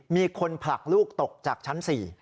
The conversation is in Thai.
มีคนผลักลูกตกจากชั้น๔